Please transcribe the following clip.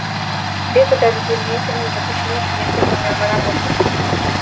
Вето даже применяется для недопущения принятия программы работы.